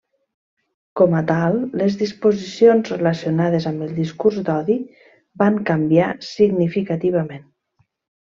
Com a tal, les disposicions relacionades amb el discurs d'odi van canviar significativament.